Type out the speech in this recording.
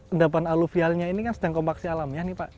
tendapan aluvialnya ini kan sedang kompaksi alam ya pak